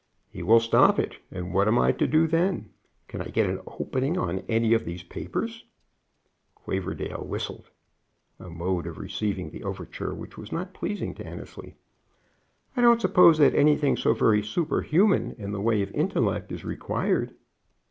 "He will stop it, and what am I to do then? Can I get an opening on any of these papers?" Quaverdale whistled, a mode of receiving the overture which was not pleasing to Annesley. "I don't suppose that anything so very super human in the way of intellect is required."